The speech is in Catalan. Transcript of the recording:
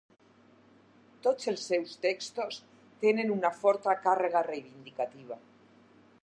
Tots els seus textos tenen una forta càrrega reivindicativa.